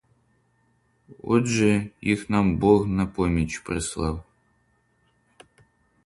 Отже, їх нам бог на поміч прислав.